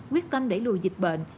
quyết tâm đẩy lùi dịch bệnh